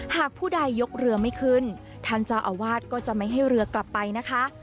หากผู้ใดยกเรือไม่ขึ้นท่านเจ้าอาวาสก็จะไม่ให้เรือกลับไปนะคะ